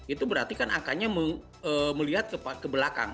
itu berarti kan angkanya melihat ke belakang